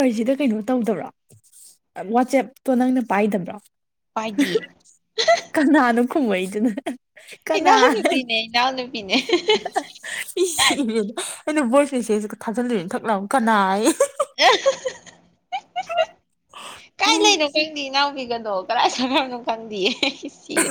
ꯑꯥꯢꯖꯤꯗ ꯀꯩꯅꯣ ꯇꯧꯗꯕ꯭ꯔꯣ ꯋꯥꯆꯦꯞꯇꯣ ꯅꯪꯅ ꯄꯥꯏꯗꯕ꯭ꯔꯣ ꯄꯥꯏꯗꯤ ꯌꯦ ꯀꯅꯥꯅꯣ ꯈꯨꯝꯃꯛꯢꯗꯨꯅ ꯀꯅꯥ ꯏꯅꯥꯎꯅꯨꯄꯤꯅꯦ ꯏꯅꯥꯎꯅꯨꯄꯤꯅꯦ [unintelligible] ꯑꯩ ꯁꯤꯔꯦꯗ ꯑꯩꯅ ꯚꯣꯏꯁ ꯃꯦꯁꯦꯖꯀ ꯊꯥꯖꯤꯜꯂꯨꯔꯤꯅꯦ ꯊꯛꯂꯥꯎꯅ ꯀꯅꯥ ꯍꯥꯏꯌꯦ ꯀꯥꯏ ꯂꯩꯅꯣ ꯈꯪꯗꯦ ꯏꯅꯥꯎꯄꯤꯒꯗꯣ ꯀꯔꯥꯏ ꯆꯠꯈ꯭ꯔꯕꯅꯣ ꯈꯪꯗꯤꯌꯦ ꯁꯤꯔꯦ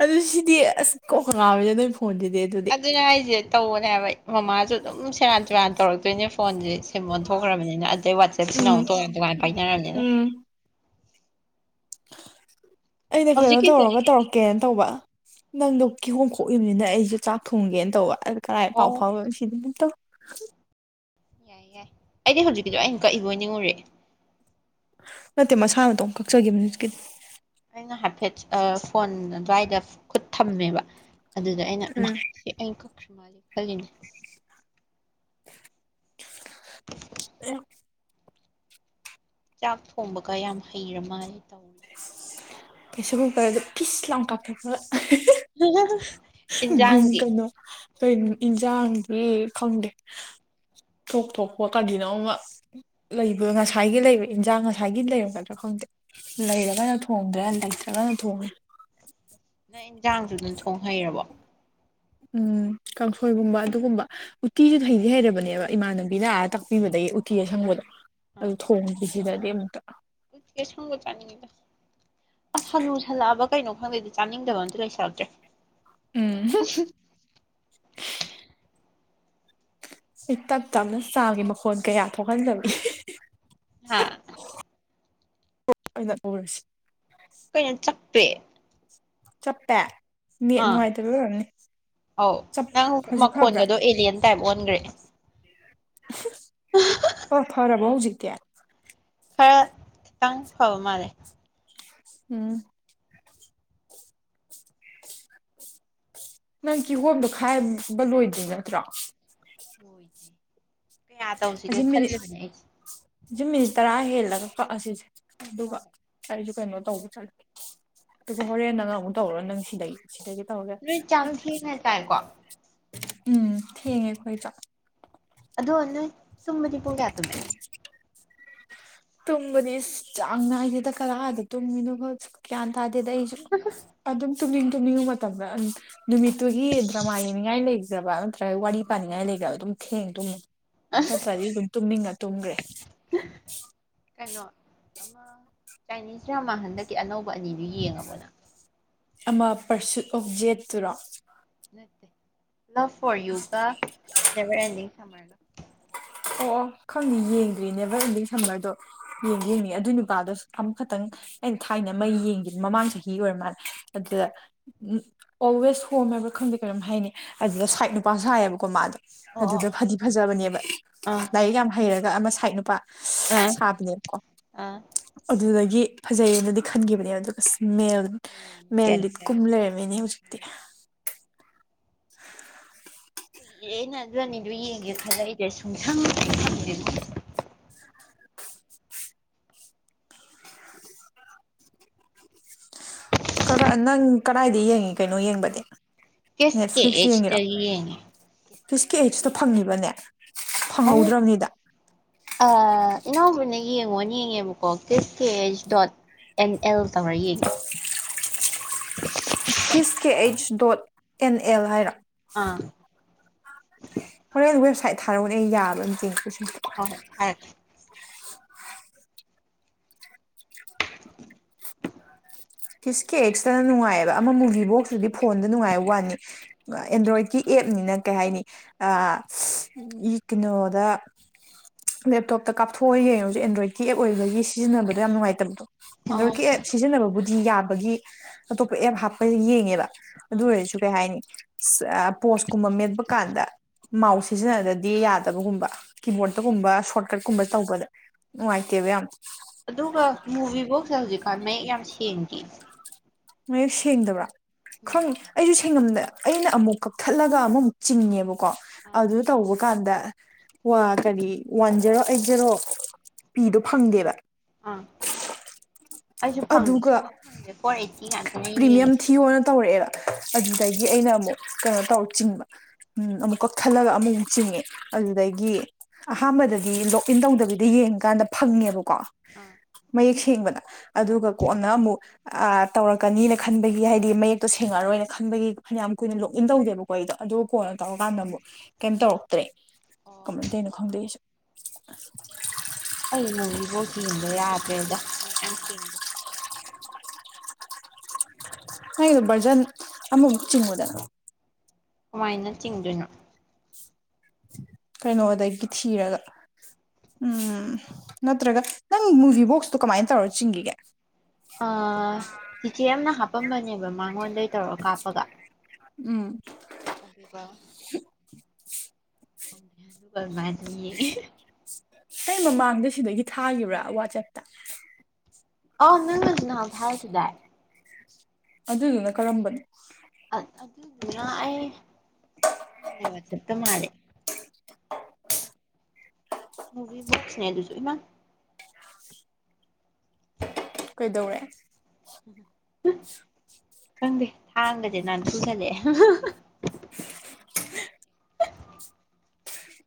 ꯑꯗꯨꯗꯤ ꯁꯤꯗꯤ ꯑꯁ ꯀꯣꯛ ꯀ ꯉꯥꯎꯋꯤꯗ ꯅꯣꯏ ꯐꯣꯟꯖꯤꯗꯤ ꯑꯗꯨ ꯑꯗꯨꯅꯦ ꯍꯥꯏꯖꯦ ꯇꯧꯕꯅꯦ ꯍꯥꯏꯕ ꯃꯃꯥꯖꯨ ꯑꯗꯨꯝ ꯁꯦꯔꯥꯟ ꯇꯨꯔꯥꯟ ꯇꯧꯔꯛꯇꯣꯏꯅꯦ ꯐꯣꯟꯖꯦ ꯁꯤꯝ ꯑꯣꯟꯊꯣꯛꯈ꯭ꯔꯕꯅꯤꯅ ꯑꯗꯩ ꯋꯥꯠꯆꯦꯞꯁꯤꯅ ꯎꯝ ꯑꯃꯨꯛ ꯇꯣꯉꯥꯟ ꯇꯣꯉꯥꯟ ꯄꯥꯏꯅꯔꯕꯅꯤꯅ ꯎꯝ ꯑꯩꯅ ꯀꯩꯅꯣ ꯍꯧꯖꯤꯛꯀꯤꯗꯣ ꯇꯧꯔꯒ ꯇꯧꯔꯛ ꯀꯦꯟ ꯇꯧꯕ ꯅꯪꯗꯣ ꯀꯤꯍꯣꯝ ꯈꯣꯛꯏꯕꯅꯤꯅ ꯑꯩꯖꯨ ꯆꯥꯛ ꯊꯣꯡꯒꯦꯅ ꯇꯧꯕ ꯑ ꯀꯔꯥꯏ ꯄꯥꯎ ꯑꯣ ꯐꯥꯎꯔꯣꯏꯁꯤꯗꯤ ꯅꯠꯇꯣ ꯌꯥꯏ ꯌꯥꯏ ꯑꯩꯗꯤ ꯍꯧꯖꯤꯛꯀꯤꯗꯣ ꯑꯩꯅ ꯀꯛꯏꯕꯣꯏ ꯅꯤꯡꯉꯨꯔꯦ ꯅꯠꯇꯦ ꯃꯁꯥ ꯃꯇꯣꯝ ꯀꯛꯆꯒꯤꯝꯅꯦ ꯍꯧꯖꯤꯛꯀꯤ ꯑꯩꯅ ꯍꯥꯏꯐꯦꯠ ꯑ ꯐꯣꯟ ꯑꯗꯨꯋꯥꯏꯗ ꯈꯨꯠ ꯊꯝꯃꯦꯕ ꯑꯗꯨꯗ ꯑꯩꯅ ꯏꯃꯥ ꯎꯝ ꯑꯦ ꯑꯩ ꯀꯛꯈꯔ ꯃꯟꯂꯦ ꯈꯜꯂꯤꯅꯦ ꯑꯌꯣ ꯆꯥꯛ ꯊꯣꯡꯕꯒ ꯌꯥꯝ ꯍꯩꯔꯃꯥꯜꯂꯦ ꯇꯧ ꯄ꯭ꯔꯦꯁꯔ ꯀꯨꯀꯔꯗ ꯐꯤꯁ ꯂꯥꯎ ꯀꯥꯝꯊꯣꯛꯈꯒ [unintelligible] ꯒꯨꯝ ꯏꯟꯖꯥꯡꯗꯤ ꯀꯩꯅꯣ ꯀꯩꯟ ꯏꯟꯖꯥꯡꯗꯤ ꯈꯪꯗꯦ ꯊꯣꯛ ꯊꯣꯛꯄ ꯀꯔꯤꯅꯣ ꯑꯃ ꯂꯩꯕ ꯉꯁꯥꯏꯒꯤ ꯂꯩꯕ ꯏꯟꯖꯥꯡ ꯉꯁꯥꯏꯒꯤ ꯂꯩꯔꯒꯗ꯭ꯔꯥ ꯈꯪꯗꯦ ꯂꯩꯔꯒꯅ ꯊꯣꯡꯗ꯭ꯔꯦ ꯂꯩꯇ꯭ꯔꯒꯅ ꯊꯣꯡꯉꯦ ꯅꯪ ꯏꯟꯖꯥꯡꯖꯨ ꯑꯗꯨꯝ ꯊꯣꯡ ꯍꯩꯔꯕꯣ ꯎꯝ ꯀꯥꯡꯁꯣꯏꯒꯨꯝꯕ ꯑꯗꯨꯒꯨꯝꯕ ꯎꯇꯤꯖꯨ ꯍꯩꯗꯤ ꯍꯩꯔꯕꯅꯦꯕ ꯏꯃꯥꯟꯅꯕꯤꯅ ꯑꯥꯗ ꯇꯥꯛꯄꯤꯕꯗꯩ ꯎꯇꯤ ꯑꯥ ꯑꯁꯪꯕꯗꯣ ꯑꯩ ꯑꯥ ꯊꯣꯡꯗ꯭ꯔꯤ ꯁꯤꯗꯗꯤ ꯑꯃꯨꯛꯇ ꯎꯇꯤ ꯑꯁꯡꯕ ꯆꯥꯅꯤꯉꯤꯗ ꯑꯁ ꯍꯅꯨ ꯁꯜꯂꯛꯑꯕ ꯀꯩꯅꯣ ꯈꯪꯗꯦ ꯑꯩꯗꯤ ꯆꯥꯅꯤꯡꯗꯕ ꯑꯝꯇ ꯂꯩꯁꯜꯂꯛꯇ꯭ꯔꯦ ꯎꯝ [unintelligible] ꯑꯩ ꯇꯞ ꯇꯞꯅ ꯆꯥꯒꯦ ꯃꯈꯣꯟ ꯀꯌꯥ ꯊꯣꯛꯍꯟꯗꯕꯤ ꯍꯥꯥ ꯑꯣꯛ ꯑꯣꯏꯅ ꯎꯔꯁꯤ ꯀꯩꯅꯣ ꯆꯄꯄꯦ ꯆꯞꯄꯦ ꯅꯦꯠ ꯑꯥ ꯅꯨꯡꯉꯥꯏꯇꯕꯩ ꯑꯣꯏꯔꯝꯅꯤ ꯑꯧ ꯆꯞ ꯅꯪ ꯍꯧꯖꯤꯛ ꯐꯕ꯭ꯔꯥ ꯃꯈꯣꯟꯒꯗꯣ ꯑꯦꯂꯤꯌꯟ ꯇꯥꯏꯞ ꯑꯣꯟꯈ꯭ꯔꯦ ꯑ ꯐꯔꯕꯣ ꯍꯧꯖꯤꯛꯇꯦ ꯈꯔ ꯈꯤꯇꯪ ꯐꯕ ꯃꯥꯜꯂꯦ ꯎꯝ ꯅꯪ ꯀꯤꯍꯣꯝꯗꯣ ꯈꯥꯏꯕ ꯂꯣꯏꯗꯣꯏ ꯅꯠꯇ꯭ꯔꯣ ꯂꯣꯏꯗ꯭ꯔꯤ ꯀꯌꯥ ꯇꯧꯁꯤꯒꯦ ꯑꯁꯤ ꯃꯤꯅꯤꯠ ꯈꯜꯂꯤꯕꯅꯦ ꯑꯩꯁꯦ ꯑꯁꯤ ꯃꯤꯅꯤꯠ ꯇꯔꯥ ꯍꯦꯜꯂꯒ ꯀꯛꯑꯁꯤꯁꯦ ꯑꯗꯨꯒ ꯍꯣꯏ ꯍꯣꯏ ꯑꯩꯁꯨ ꯀꯩꯅꯣ ꯇꯧꯕ ꯆꯠꯂꯦ ꯑꯗꯨꯒ ꯍꯣꯔꯦꯟ ꯅꯪ ꯑꯃꯨꯛ ꯇꯧꯔꯣ ꯅꯪ ꯁꯤꯗꯩ ꯁꯤꯗꯒꯤ ꯇꯧꯔꯒꯦ ꯅꯣꯏ ꯆꯥꯛ ꯅꯪ ꯊꯦꯡꯅ ꯆꯥꯏꯀꯣ ꯎꯝ ꯊꯦꯡꯉꯦ ꯑꯩꯈꯣꯏ ꯆꯥꯛ ꯑꯗꯣ ꯅꯣꯏ ꯇꯨꯝꯕꯗꯤ ꯄꯨꯡ ꯀꯌꯥ ꯇꯨꯝꯃꯦ ꯇꯨꯝꯕꯗꯤ ꯏꯁ ꯆꯥꯡ ꯅꯥꯏꯗꯦꯗ ꯀꯔꯥꯗ ꯇꯨꯝꯃꯤꯅꯣ ꯈꯪ ꯒ꯭ꯌꯥꯟ ꯇꯥꯗꯦꯗ ꯑꯩꯁꯨ ꯑꯗꯨꯝ ꯇꯨꯝꯅꯤꯡ ꯇꯨꯝꯅꯤꯡꯕ ꯃꯇꯝꯗ ꯅꯨꯃꯤꯠꯇꯨꯒꯤ ꯗ꯭ꯔꯃꯥ ꯌꯦꯡꯅꯤꯡꯉꯥꯏ ꯂꯩꯒ꯭ꯔꯕ ꯅꯠꯇ꯭ꯔꯒ ꯋꯥꯔꯤ ꯄꯥꯅꯤꯡꯉꯥꯏ ꯂꯩꯒ꯭ꯔꯕ ꯑꯗꯨꯝ ꯊꯦꯡꯅ ꯇꯨꯝꯃꯤ ꯑꯁ ꯑꯗꯤ ꯑꯗꯨꯝ ꯇꯨꯝꯅꯤꯡꯉ ꯇꯨꯝꯈ꯭ꯔꯦ ꯀꯩꯅꯣ ꯑꯃ ꯆꯥꯏꯅꯤꯁ ꯗ꯭ꯔꯃꯥ ꯍꯟꯗꯛꯀꯤ ꯑꯅꯧꯕ ꯑꯅꯤꯗꯨ ꯌꯦꯡꯉꯕꯣ ꯅꯪ ꯑꯃ ꯄꯔꯁꯨꯠ ꯑꯣꯐ ꯖꯦꯠ ꯇꯨꯔꯣ ꯅꯠꯇ ꯂꯚ ꯐꯣꯔ ꯌꯨꯒ ꯅꯕꯔ ꯑꯦꯟꯗꯤ ꯁꯃꯔ ꯒ ꯑꯣ ꯑꯣ ꯈꯪꯅꯤ ꯌꯦꯡꯗ꯭ꯔꯤ ꯅꯦꯕꯔ ꯏꯟꯗꯤꯡ ꯁꯝꯃꯔꯗꯣ ꯌꯦꯡ [unintelligible] ꯑꯗꯨꯏ ꯅꯨꯄꯥꯗꯣ ꯑꯃꯈꯛꯇꯪ ꯑꯩꯅ ꯊꯥꯏꯅ ꯃꯩ ꯌꯦꯡꯒꯦ ꯃꯃꯥꯡ ꯆꯍꯤ ꯑꯣꯏꯔ ꯃꯥꯜꯂꯦ ꯑꯣ ꯑꯗꯨꯗ ꯎꯝ ꯑꯣꯜꯋꯦꯁ ꯍꯣꯝ ꯍꯥꯏꯕ꯭ꯔꯥ ꯈꯪꯗꯦ ꯀꯔꯤꯝ ꯍꯥꯏꯅꯤ ꯑꯗꯨꯗ ꯁꯥꯏꯠ ꯅꯨꯄꯥ ꯁꯥꯏꯌꯦꯕꯀꯣ ꯃꯥꯗꯣ ꯑꯗꯨꯗ ꯑꯣ ꯐꯗꯤ ꯐꯖꯕꯅꯦꯕ ꯑꯥ ꯂꯛ ꯌꯥꯝ ꯍꯩꯔꯒ ꯑꯃ ꯁꯥꯏꯠ ꯅꯨꯄꯥ ꯑꯥ ꯁꯥꯕꯅꯦꯕꯀꯣ ꯑꯥ ꯑꯗꯨꯗꯒꯤ ꯐꯖꯩꯌꯦꯅꯗꯤ ꯈꯟꯈꯤꯕꯅꯦ ꯑꯗꯨꯒ ꯁꯃꯦꯜ ꯃꯦꯟ ꯃꯦꯜ ꯂꯤꯠ ꯀꯨꯝ ꯀꯦꯔꯦꯛꯇꯔꯒ ꯊꯣꯛꯂꯛꯑꯦ ꯂꯩꯔꯝꯃꯤꯅꯦ ꯍꯧꯖꯤꯛꯇꯤ ꯑꯥ [inaudible] [unintelligible] ꯑꯦ ꯅꯅꯥ ꯑꯥꯅꯤꯗꯣ ꯌꯦꯡꯒꯦ ꯈꯟꯂꯛꯏꯖꯦ ꯁꯨꯡꯁꯪ ꯁꯪꯗꯦꯉꯣ ꯅꯪ ꯀꯗꯥꯏꯗ ꯌꯦꯡꯉꯤ ꯀꯩꯅꯣ ꯌꯦꯡꯕꯗꯤ ꯍꯦꯁ ꯀꯤꯁ ꯀꯉꯤ ꯑꯦꯖ ꯇꯒꯤ ꯌꯦꯡ ꯑꯦ ꯐꯁꯀꯤ ꯑꯩꯠꯁꯤ ꯇ ꯐꯪꯉꯤꯕꯅꯦ ꯑ ꯐꯪꯍꯧꯗ꯭ꯔꯕꯅꯤꯗ ꯏꯅꯥꯎꯕꯅ ꯌꯦꯡꯉꯣꯅ ꯌꯦꯡꯉꯦꯕꯀꯣ ꯀꯁ ꯀꯦꯁ ꯗꯣꯠ ꯑꯦꯟ ꯑꯦꯜ ꯇꯧꯔ ꯌꯦꯡꯉꯦ [inaudible] ꯀꯤꯁ ꯀꯦ ꯑꯩꯆ ꯗꯣꯠ ꯑꯦꯟ ꯑꯦꯜ ꯍꯥꯏꯔꯣ ꯑꯥ ꯍꯣꯔꯦꯟ ꯋꯦꯕꯁꯥꯏꯠ ꯊꯥꯔꯛꯎꯅꯦ ꯌꯥꯕ꯭ꯔ ꯑꯝꯇ [unintelligible] ꯍꫭꯏ ꯍꯥꯏꯔꯛꯀꯦ ꯀꯤꯁ ꯀꯤ ꯑꯦꯛꯁꯇꯅ ꯅꯨꯡꯉꯥꯏꯌꯦꯕ ꯑꯃ ꯃꯨꯕꯤ ꯕꯣꯛꯁꯇꯨꯗꯤ ꯐꯣꯟꯗ ꯅꯨꯡꯉꯥꯏꯕ ꯋꯥꯅꯤ ꯑꯦꯟꯗ꯭ꯔꯣꯏꯠꯀꯤ ꯑꯦꯞꯅꯤꯅ ꯀꯩ ꯍꯥꯏꯅꯤ ꯑ [unintelligible] ꯀꯤꯅꯣꯗ ꯂꯦꯞꯇꯣꯞꯇ ꯀꯥꯞꯊꯣꯛꯑꯒ ꯌꯦꯡꯉꯖꯨ ꯑꯦꯟꯗ꯭ꯔꯣꯏꯠꯀꯤ ꯑꯦꯞ ꯑꯣꯏꯕꯒꯤ ꯁꯤꯖꯤꯟꯅꯕꯗ ꯌꯥꯝ ꯅꯨꯡꯉꯥꯏꯇꯞꯗꯣ ꯑꯥ ꯑꯦꯟꯗ꯭ꯔꯣꯏꯠꯀꯤ ꯑꯦꯞ ꯁꯤꯖꯤꯟꯅꯕꯕꯨꯗꯤ ꯌꯥꯕꯒꯤ ꯑꯇꯣꯞꯄ ꯑꯦꯞ ꯍꯥꯞꯄ ꯌꯦꯡꯉꯦꯕ ꯑꯗꯨ ꯑꯥ ꯑꯣꯏꯔꯁꯨ ꯀꯩ ꯍꯥꯏꯅꯤ ꯄꯣꯁꯀꯨꯝꯕ ꯃꯦꯠꯄ ꯀꯥꯟꯗ ꯃꯥꯎꯁ ꯁꯤꯖꯤꯟꯅꯗꯗꯤ ꯌꯥꯗꯕꯒꯨꯝꯕ ꯍꯣꯏ ꯀꯤꯕꯣꯔꯗꯇꯒꯨꯝꯕ ꯁꯣꯔꯠ ꯀꯠꯀꯨꯝꯕ ꯇꯧꯕꯗ ꯅꯨꯡꯉꯥꯏꯇꯦꯕ ꯌꯥꯝ ꯑꯗꯨꯒ ꯃꯨꯕꯤ ꯕꯣꯛꯁꯅ ꯍꯧꯖꯤꯛꯀꯥꯟ ꯃꯌꯦꯛ ꯌꯥꯝ ꯁꯦꯡꯗꯤꯌꯦ ꯃꯌꯦꯛ ꯁꯦꯡꯗꯕ꯭ꯔ ꯎꯝ ꯈꯪ ꯑꯩꯁꯨ ꯁꯦꯡꯉꯝꯗ ꯑꯩꯅ ꯑꯃꯨꯛ ꯀꯛꯊꯠꯂꯒ ꯑꯃꯃꯨꯛ ꯆꯤꯡꯉꯦꯕ ꯀꯣ ꯑꯥ ꯑꯗꯨ ꯇꯧꯕ ꯀꯥꯟꯗ ꯋꯥ ꯀꯔꯤ ꯋꯥꯟ ꯖꯦꯔꯣ ꯑꯩꯠ ꯖꯦꯔꯣ ꯄꯤꯗꯣ ꯐꯪꯗꯦꯕ ꯑ ꯑꯩꯖꯨ ꯐꯪꯗꯦ ꯑꯗꯨꯒ ꯁꯨꯡꯐꯪ ꯐꯪꯗꯦ [unintelligible] ꯑꯩꯅ ꯄ꯭ꯔꯤꯃꯤꯌꯝ ꯌꯦꯡꯉꯤꯁꯦ ꯊꯤꯌꯣꯅ ꯇꯧꯔꯛꯑꯦꯕ ꯑꯥ ꯑꯗꯨꯗꯒꯤ ꯑꯩꯅ ꯑꯃꯨꯛ ꯀꯩꯅꯣ ꯇꯧꯔ ꯆꯤꯡꯕ ꯎꯝ ꯑꯃꯨꯛ ꯀꯛꯊꯠꯂꯒ ꯑꯃꯃꯨꯛ ꯆꯤꯡꯉꯦ ꯑꯗꯨꯗꯒꯤ ꯑꯍꯥꯝꯕꯗꯒꯤ ꯂꯣꯛ ꯏꯟ ꯇꯧꯗꯕꯤꯗ ꯌꯦꯡꯀꯥꯟꯗ ꯐꯪꯉꯦꯕꯀꯣ ꯑ ꯃꯌꯦꯛ ꯁꯦꯡꯕꯗ ꯑꯗꯨꯒ ꯀꯣꯟꯅ ꯑꯃꯨꯛ ꯑ ꯇꯧꯔꯛꯀꯅꯤꯅ ꯈꯟꯕꯒꯤ ꯍꯥꯏꯗꯤ ꯃꯌꯦꯛꯇꯣ ꯁꯦꯡꯉꯛꯑꯔꯣꯏꯅ ꯈꯟꯕꯒꯤ ꯐꯅꯤꯌꯥꯝ ꯀꯨꯏꯅ ꯂꯣꯛ ꯏꯟ ꯇꯧꯗꯦꯕ ꯀꫭ ꯑꯩꯗꫭ ꯑꯗꯨꯒ ꯀꯣꯟꯅ ꯇꯧꯔꯀꯥꯟꯗ ꯑꯃꯨꯛ ꯀꯩꯝ ꯇꯧꯔꯛꯇ꯭ꯔꯦ ꯑꯣ ꯀꯝꯃꯥꯏ ꯇꯩꯅꯣ ꯈꯪꯗꯦ ꯑꯩꯖꯨ ꯑꯩ ꯃꯨꯕꯤ ꯕꫭꯛꯁ ꯌꯦꯡꯕ ꯌꯥꯗ꯭ꯔꯦꯗ ꯃꯌꯦꯛ ꯌꯥꯝ ꯁꯦꯡꯗꯦ [unintelligible] ꯕꯔꯖꯟ ꯑꯃꯃꯨꯛ ꯆꯤꯡꯉꯨꯗꯅ ꯀꯃꯥꯏꯅ ꯆꯤꯡꯗꯣꯏꯅꯣ ꯀꯩꯅꯣꯗꯒꯤ ꯊꯤꯔꯒ ꯎꯝ ꯅꯠꯇ꯭ꯔꯒ ꯅꯪ ꯃꯨꯕꯤ ꯕꯣꯛꯁꯇꫭ ꯀꯝꯃꯥꯏ ꯇꯧꯔ ꯆꯤꯡꯒꯤꯒꯦ ꯑ ꯆꯤꯆꯦ ꯑꯝꯅ ꯍꯥꯞꯄꯝꯕꯅꯦꯕ ꯃꯥꯡꯉꯣꯟꯗꯩ ꯇꯧꯔꯒ ꯀꯥꯞꯄꯒ ꯎꯝ ꯑꯗꯨꯒ ꯑꯗꯨꯒ ꯃꯥꯅꯩꯌꯦ [unintelligible] ꯑꯩ ꯃꯃꯥꯡꯗ ꯁꯤꯗꯒꯤ ꯊꯥꯒꯤꯕ꯭ꯔ ꯋꯥꯆꯞꯇ ꯑꯧ ꯅꯪꯅ ꯅꯍꯥꯟ ꯊꯥꯔꯛꯈꯤꯗꯥꯏ ꯑꯗꯨꯗꯨꯅ ꯀꯔꯝꯕꯅꯣ ꯑ ꯑꯗꯨꯗꯨꯅ ꯑꯩ ꯍꯥꯟꯅꯩ ꯋꯥꯆꯞꯇ ꯃꯥꯜꯂꯦ ꯃꯨꯕꯤ ꯕꯣꯛꯁꯅꯦ ꯑꯗꯨꯖꯨ ꯏꯃꯥ ꯀꯩꯗꯧꯔꯦ [unintelligible] ꯈꯪꯗꯦ ꯊꯥꯡꯒꯖꯦ ꯅꯥꯟꯊꯨ ꯁꯜꯂꯛꯑꯦ [unintelligible]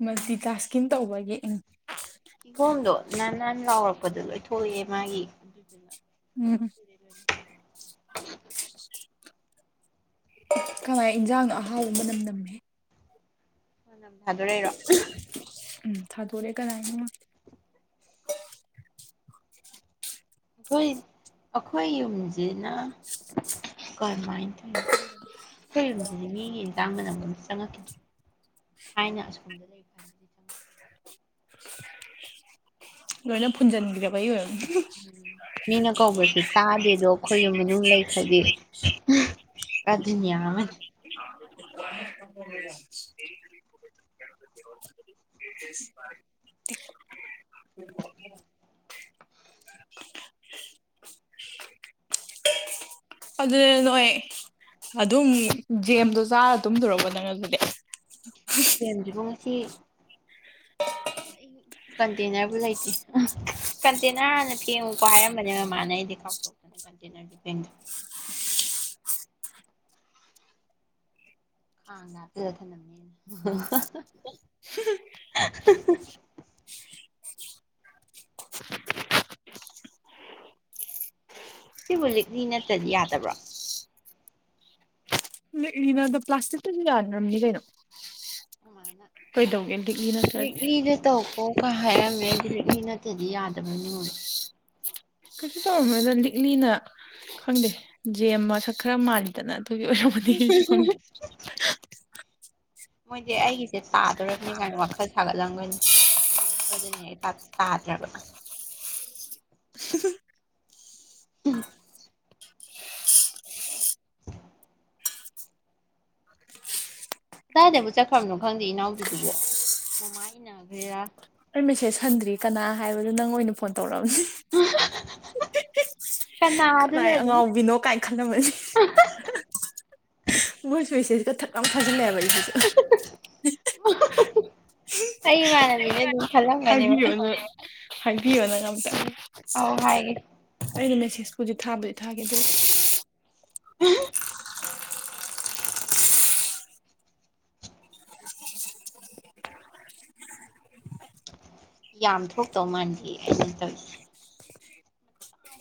ꯃꯜꯇꯤ ꯇꯥꯛꯁꯀꯤꯡ ꯇꯧꯕꯒꯤ [unintelligible] ꯀꯤꯍꫭꯝꯗꯣ ꯅꯥꯟ ꯅꯥꯟ ꯂꯥꯎꯔꯛꯄꯗꫭ ꯂꯣꯏ ꯊꯣꯛꯂꯑꯦ ꯃꯥꯒꯤ [unintelligible] [unintelligible] [unintelligible] ꯀꯅꯥꯒꯤ ꯏꯟꯖꯥꯡꯅꯣ ꯑꯍꯥꯎꯕ ꯃꯥꯅꯝ ꯅꯝꯃꯦ ꯃꯥꯅꯝ ꯊꯥꯗꯣꯛꯔꯛꯏꯔꯣ ꯎꯝ ꯊꯥꯗꯣꯔꯛ ꯑꯦ ꯀꯅꯥꯅꯣꯝ ꯃꯥ ꯈꯣꯏ ꯑꯩꯈꯣꯏ ꯌꯨꯝꯁꯤꯅ ꯀꯔꯝꯃꯥꯏꯅ ꯇꯧꯔꯤꯅꯣ ꯑꯩꯈꯣꯏ ꯌꯨꯝꯗꯗꯤ ꯃꯤꯒꯤ ꯌꯦꯟꯖꯥꯡ ꯃꯅꯝꯒ ꯟꯝꯇ ꯆꯪꯉꯛꯈꯤꯗ꯭ꯔꯦ ꯊꯥꯏꯅ ꯑꯁꯣꯝꯗ [inaudible] ꯂꯣꯏꯅ ꯐꯨꯟꯖꯟꯕꯤꯔꯕꯩ ꯑꯣꯏꯔꯝꯅꯤ ꯎꯝ ꯃꯤꯅ ꯀꯧꯕꯁꯨ ꯇꯥꯗꯦꯗꯣ ꯑꯩꯈꯣꯏ ꯌꯨꯝ ꯃꯥꯅꯨꯡ ꯂꯩꯈ꯭ꯔꯗꯤ ꯗꯨꯅꯤꯌꯥ ꯑꯃꯥꯅꯤ [unintelligible] [inaudible] ꯑꯗꯨꯗ ꯅꯣꯏ ꯑꯗꯨꯝ ꯖꯦꯝꯗꯣ ꯆꯥꯔ ꯇꯨꯝꯗꯣꯔꯕꯣ ꯅꯪ ꯑꯗꯨꯗꯤ ꯌꯦꯟꯗ꯭ꯔꯤꯕꯨ ꯉꯁꯤ ꯑꯩ ꯀꯟꯇꯦꯟꯅ꯭ꯔꯕꯨ ꯂꯩꯇ꯭ꯔꯤ ꯑꯥ ꯀꯟꯇꯦꯟꯅ꯭ꯔ ꯍꯥꯟꯅ ꯐꯦꯡꯉꯨꯀꯣ ꯍꯥꯏꯔꯝꯕꯅꯦ ꯃꯃꯥꯅ ꯑꯩꯗꯤ ꯀꯥꯎꯊꯣꯛꯇꯅ ꯀꯟꯇꯦꯅꯔꯁꯨ ꯐꯦꯡꯗ꯭ꯔꯤ ꯈꯥꯡꯗ ꯍꯥꯞꯆꯜꯂ ꯊꯥꯅꯝꯃꯦ ꯍ ꯁꯤꯕꯨ ꯂꯤꯛꯅꯤ ꯅꯠꯇ꯭ꯔꯗꯤ ꯌꯥꯗꯕ꯭ꯔꯣ ꯄ꯭ꯂꯥꯁꯇꯤꯛꯇꯤꯗ ꯌꯥꯗ꯭ꯔꯝꯅꯤ ꯀꯩꯅꯣ ꯀꯩꯗꯧꯒꯦ ꯂꯤꯛꯂꯤ ꯅꯠꯇ꯭ꯔꯗꯤ ꯂꯤꯛꯂꯤꯅ ꯇꯧ ꯑꯣ ꯀ ꯍꯥꯏꯔꯝꯃꯦ ꯑꯩꯗꯤ ꯂꯤꯛꯂꯤ ꯅꯠꯇ꯭ꯔꯗꯤ ꯌꯥꯗꯕꯣꯏ ꯅꯤꯡꯉꯨꯔꯦ ꯀꯩꯁꯨ ꯇꯧꯔꯝꯃꯣꯏꯗ ꯂꯤꯛꯂꯤꯅ ꯈꯪꯗꯦ ꯖꯦꯝ ꯃꯁꯛ ꯈꯔ ꯃꯥꯜꯂꯤ ꯑꯗꯨꯒꯤ ꯑꯣꯏꯔꯝꯃꯗꯤ ꯑꯩꯁꯨ ꯈꯪꯗꯦ ꯃꯣꯏꯗꯤ ꯑꯩꯒꯤꯁꯦ ꯇꯥꯗꯣꯔꯕꯅꯤ ꯀꯥꯏꯅ ꯋꯥꯈꯜ ꯁꯥꯒꯠꯂꯝꯒꯅꯤ ꯁꯣꯢꯗꯅꯥ ꯍꯦꯛ ꯇꯥꯗꯧꯗꯣ ꯇꯥꯗꯔꯥꯕ [unintelligible] ꯀꯗꯥꯏꯗꯕꯨ ꯆꯠꯈ꯭ꯔꯕꯅꯣ ꯈꯪꯗꯦ ꯏꯅꯥꯎꯗꯤꯗꯨꯕꯨ ꯃꯃꯥ ꯏꯟꯅꯈ꯭ꯔꯦꯔꯥ ꯑꯩ ꯃꯦꯁꯦꯁ ꯍꯟꯗ꯭ꯔꯤ ꯀꯅꯥ ꯍꯥꯏꯕꯅꯣ ꯅꯪ ꯑꯣꯏꯅ ꯐꯣꯟ ꯇꯧꯔꯛꯑꯕꯅꯤ [unintelligible] ꯀꯅꯥꯗꯨꯅ ꯀꯅꯥꯏ ꯑꯗꯨꯝ ꯑꯉꯥꯎꯕꯤꯅꯣ ꯀꯥꯏꯅ ꯈꯜꯂꯝꯃꯅꯤ ꯃꯣꯏꯁꯨ ꯃꯦꯁꯦꯁꯀ ꯊꯛ ꯂꯥꯎꯅꯥ ꯊꯥꯖꯜꯂꯦꯕ ꯑꯩ ꯑꯩ ꯏꯃꯥꯟꯅꯕꯤꯅꯦ ꯑꯗꯨꯝ ꯈꯜꯂꯝꯒꯅꯤꯕ ꯍꯥꯏꯕꯤꯌꯣ ꯅꯪ ꯍꯥꯏꯕꯤꯌꯣ ꯅꯪ ꯑꯝꯇ ꯑꯧ ꯍꯥꯏꯒꯦ ꯑꯩꯅ ꯃꯦꯁꯦꯁ ꯍꯧꯖꯤꯛ ꯊꯥꯕꯧꯗꯤ ꯊꯥꯒꯦ ꯑꯗꯨ [unintelligible] ꯌꯥꯝ ꯊꯣꯛꯇꯧ ꯃꯥꯟꯗꯦ ꯑꯩꯅ ꯇꯧꯔꯤꯁꯦ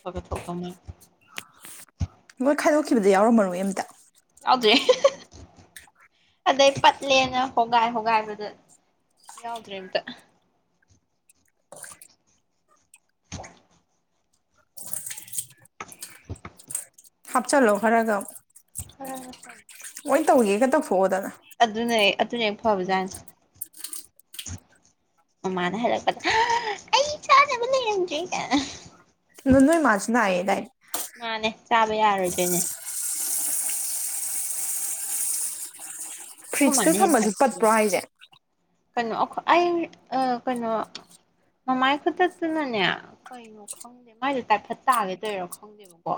ꯈꯥꯒꯥ ꯊꯧꯛꯇꯧ ꯃꯥꯜꯅꯦ ꯅꯣꯢ ꯈꯥꯢꯗꯣꯛꯈꯤꯕꯗ ꯌꯥꯎꯔꯝꯃꯔꯣꯏ ꯑꯝꯇ ꯌꯥꯎꯗ꯭ꯔꯦ [unintelligible] ꯑꯗꯩ ꯄꯠꯂꯦꯅ ꯍꯣꯒꯥꯏ ꯍꯣꯒꯥꯏꯕꯗ ꯌꯥꯎꯗ꯭ꯔꯦ ꯑꯝꯇ [unintelligible] ꯍꯥꯞ ꯆꯥꯜꯂꯣ ꯈꯔꯒ ꯑꯃꯨꯛ ꯈꯔꯒ ꯇꯧ ꯂꯣꯢ ꯇꯧꯒꯦꯒ ꯇꯧꯊꯣꯛꯑꯣꯗ ꯅꯪ ꯑꯗꯨꯅꯦ ꯑꯗꯨꯅ ꯍꯦꯛ ꯐꯥꯕ ꯖꯥꯠꯅꯦ [inaudible] ꯑꯃꯥꯢꯅ ꯍꯥꯢꯔꯛꯄꯗ ꯑ ꯑꯩ ꯆꯥꯅꯕ ꯂꯩꯔꯝꯗꯔꯦ ꯀꯥꯢꯅ ꯑꯗꯨ ꯅꯣꯢ ꯃꯥꯖꯨ ꯅꯌꯦꯗꯥꯢꯅꯦ ꯃꯥꯅꯦ ꯆꯥꯕ ꯌꯥꯔꯣꯏꯗꯣꯏꯅꯦ ꯑꯈꯣꯢ ꯐ꯭ꯔꯤꯖꯇ ꯃꯥꯅꯦ ꯍꯦꯟꯅ ꯊꯝꯕꯁꯨ ꯄꯠꯄ꯭ꯔꯣ ꯁꯥꯊꯤꯅꯦ ꯍꯥꯏꯁꯦ ꯀꯩꯅꯣ ꯑꯩꯈꯣ ꯑꯩ ꯑ ꯀꯩꯅꯣ ꯃꯃꯥꯏ ꯈꯨꯆꯠꯇꯨꯅꯅꯦ ꯀꯩꯅꯣ ꯈꯪꯗꯦ ꯃꯥꯏꯗꯣ ꯇꯥꯏꯐꯠ ꯇꯥꯒꯦ ꯇꯧꯢꯔ ꯈꯪꯗꯦꯕꯀꯣ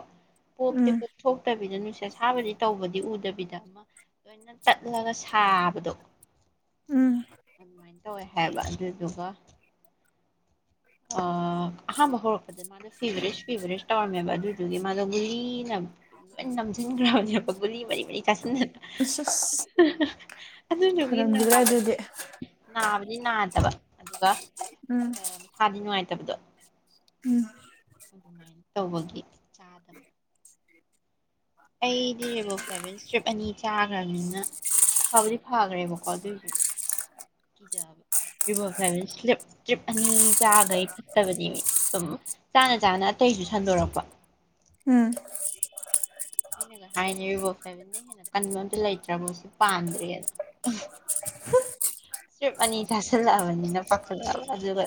ꯄꯣꯞꯇꯤ ꯎꯝ ꯄꯣꯞꯊꯣꯛꯇꯕꯤꯗ ꯅꯨꯡꯁꯤꯠ ꯑꯁꯥꯕꯗꯤ ꯇꯧꯕꯗꯤ ꯎꯗꯕꯤꯗ ꯑꯃ ꯂꯣꯏꯅ ꯇꯠꯂꯒ ꯁꯥꯕꯗꯣ ꯎꯝ꯫ ꯑꯗꯨꯃꯥꯏꯅ ꯇꯧꯋꯦ ꯍꯥꯏꯕ ꯑꯗꯨꯗꯨꯒ ꯑꯥ ꯑꯍꯥꯥꯟꯕ ꯍꯧꯔꯛꯄꯗ ꯃꯥꯗꯣ ꯐꯤꯚꯔꯦꯁ ꯐꯤꯚꯔꯦꯁ ꯇꯧꯔꯝꯃꯦꯕ ꯑꯗꯨꯗꯨꯒꯤ ꯃꯥꯗꯣ ꯒꯨꯂꯤꯅ ꯂꯣꯢ ꯅꯝꯁꯤꯟꯈ꯭ꯔꯥꯕꯅꯦꯕ ꯒꯨꯂꯤ ꯃꯔꯤ ꯃꯔꯤ ꯆꯥꯁꯤꯟꯗꯅ ꯑꯁ ꯑꯁ ꯑꯗꯨ ꯅꯥꯕꯨ ꯍꯦꯟꯅ ꯐꯔꯝꯈꯤꯗ꯭ꯔꯥ ꯅꯥꯕꯅꯦ ꯑꯗꯨꯗꯤ ꯅꯥꯕꯗꯤ ꯅꯥꯗꯕ ꯑꯗꯨꯒ ꯎꯝ꯫ ꯁꯥꯗꯤ ꯅꯨꯡꯉꯥꯏꯇꯕꯗꯣ ꯎꯝ꯫ ꯑꯗꯨꯃꯥꯏꯅ ꯇꯧꯕꯒꯤ ꯆꯥꯗꯕꯥ ꯑꯩꯗꯤ ꯔꯦꯚꯣ ꯐ꯭ꯂꯥꯚꯤꯟ ꯏꯁ꯭ꯠꯔꯤꯞ ꯑꯅꯤ ꯆꯥꯈ꯭ꯔꯥꯅꯤꯅ ꯐꯥꯕꯗꯤ ꯐꯥꯈ꯭ꯔꯦꯕꯀꯣ ꯑꯗꯨꯏꯁꯨ ꯀꯤꯖꯥꯕ ꯔꯦꯚꯣ ꯐ꯭ꯂꯥꯚꯤꯟ ꯁ꯭ꯠꯔꯤꯞ ꯇ꯭ꯔꯤꯞ ꯑꯅꯤ ꯆꯥꯈꯩ ꯐꯠꯇꯕꯅꯤꯃꯦ ꯁꯨꯝ ꯆꯥꯅ ꯆꯥꯅ ꯑꯇꯩꯁꯨ ꯁꯟꯗꯣꯔꯛꯄ ꯎꯝ꯫ ꯑꯩꯅꯒ ꯍꯥꯏꯅꯔꯤꯅꯦ ꯔꯦꯚꯣ ꯐ꯭ꯂꯥꯚꯤꯟꯗꯩ ꯍꯦꯟꯅ ꯀꯟꯕ ꯑꯝꯇ ꯂꯩꯇ꯭ꯔꯕꯣ ꯁꯤ ꯄꯥꯟꯗ꯭ꯔꯦꯅ ꯏꯁ꯭ꯠꯔꯤꯞ ꯑꯅꯤ ꯆꯥꯁꯤꯜꯂꯛꯑꯕꯅꯤꯅ ꯄꯥꯈꯠꯂꯛꯑꯕ ꯑꯗꯨꯒ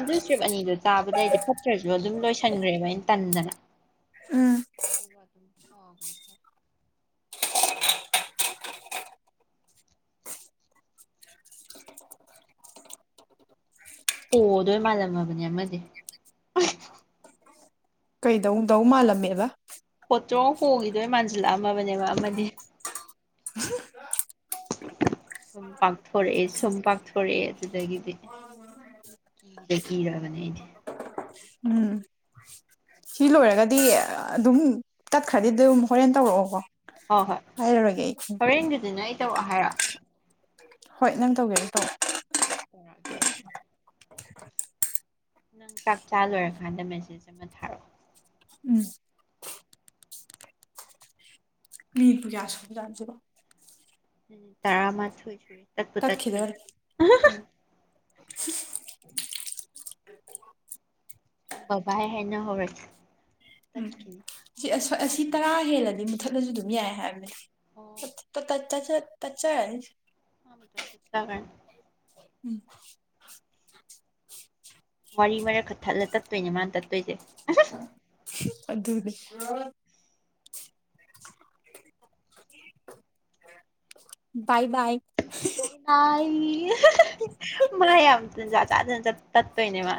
ꯑꯗꯨ ꯏꯁ꯭ꯠꯔꯤꯞ ꯑꯅꯤꯗꯣ ꯆꯥꯕꯗꯩꯗꯤ ꯐꯠꯇ꯭ꯔꯁꯨ ꯑꯗꯨꯝ ꯂꯣꯏꯁꯟꯈ꯭ꯔꯦꯕ ꯑꯩꯅ ꯇꯟꯗꯅ ꯎꯝ ꯑꯗꯨ ꯑꯗꯨꯝ ꯐꯥꯒꯔꯦ ꯐꯠ ꯍꫭꯗꯣꯏ ꯃꯥꯜꯂꯝꯃꯥꯕꯅꯦ ꯑꯃꯗꯤ ꯀꯩꯗꯧꯗꯧ ꯃꯥꯜꯂꯝꯃꯦꯕ ꯍꯣꯇ꯭ꯔꯣꯛ ꯍꯣꯈꯤꯗꯣꯏ ꯃꯥꯟꯁꯤꯜꯂꯛ ꯑꯝꯃꯕꯅꯦꯕ ꯑꯃꯗꯤ ꯁꯨꯝ ꯄꯥꯛꯊꯣꯔꯛꯑꯦ ꯁꯨꯝ ꯄꯥꯛꯊꯣꯔꯛꯑꯦ ꯑꯗꯨꯗꯒꯤꯗꯤ ꯀꯤꯗꯩ ꯀꯤꯔꯛ ꯑꯕꯅꯦ ꯑꯩꯗꯤ ꯎꯝ꯫ ꯁꯤ ꯂꯣꯏꯔꯒꯗꯤ ꯑꯗꯨꯝ ꯇꯠꯈ꯭ꯔꯥꯗꯤ ꯑꯗꯨꯝ ꯍꯣꯔꯦꯟ ꯇꯧꯔꯛꯑꯣꯀꯣ ꯍꯣꯏ ꯍꯣꯏ ꯍꯥꯏꯔꯔꯣꯏꯒꯦ ꯑꯩ ꯍꯣꯔꯦꯟꯒꯤꯗꯨꯅ ꯑꯩ ꯇꯧꯔꯛ ꯑꯣ ꯍꯥꯏꯔꯣ ꯍꯣꯏ ꯅꯪ ꯇꯧꯒꯦꯁꯨ ꯇꯧꯔꯛꯑꯣ ꯍꯣꯢ ꯇꯧꯔꯛ ꯑꯒꯦ ꯅꯪ ꯆꯥꯛ ꯆꯥ ꯂꯣꯏꯔꯀꯥꯟꯗ ꯃꯦꯁꯦꯖ ꯑꯃ ꯊꯥꯔꯛꯑꯣ ꯎꯝ꯫ ꯃꯤ ꯄꯨꯔꯤꯌꯥꯟ ꯁꯨꯕ ꯖꯥꯠꯂꫭ ꯁꯤꯕꫭ ꯃꯤꯅꯤꯠ ꯇꯔꯥ ꯃꯥꯊꯣꯏ ꯁꯨꯔꯦ ꯇꯠꯄꯨ ꯇꯠꯈ꯭ꯔꯥꯅꯤ ꯇꯠꯈꯤꯗꯣꯔꯦ ꯎꯝ ꯕꯥꯕꯥꯏ ꯍꯥꯏꯅ ꯍꯧꯔꯁꯤ ꯇꯠꯇꯔꯤꯉꯩ ꯑꯁꯤ ꯑꯁꯣꯏ ꯑꯁꯤ ꯇꯔꯥ ꯍꯦꯜꯂꯗꯤ ꯃꯨꯠꯊꯠꯂꯁꯨ ꯑꯗꯨꯝ ꯌꯥꯏ ꯍꯥꯏꯕꯅꯦ ꯑꯣ [unintelligible] ꯇꯠ ꯆꯥꯔꯅꯤ [unintelligible] ꯎꯝ ꯋꯥꯔꯤ ꯃꯔꯛ ꯈꯥ ꯊꯠꯂ ꯇꯠꯇꯣꯏꯅꯦ ꯃꯥꯅ ꯇꯠꯇꯣꯏꯁꯦ [unintelligible] ꯑꯗꯨꯅꯦ [unintelligible] [unintelligible] ꯕꯥꯏ ꯕꯥꯏ ꯕꯥꯏ ꯕꯥꯏꯢ [unintelligible] ꯃꯥ ꯌꯥꯝ ꯇꯟꯖ ꯆꯥꯗꯅ ꯆꯠ ꯇꯠꯇꯣꯏꯅꯦ ꯃꯥ